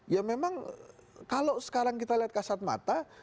ya memang kalau sekarang kita lihat kasat mata